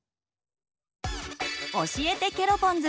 教えてケロポンズ！